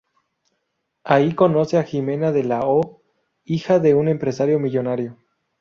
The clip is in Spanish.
Ahí conoce a Jimena de la O, hija de un empresario millonario.